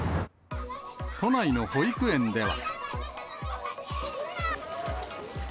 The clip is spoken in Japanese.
都内の保育園では。